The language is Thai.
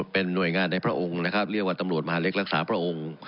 เป็นหน่วยงานในพระองค์นะครับเรียกว่าตำรวจมหาเล็กรักษาพระองค์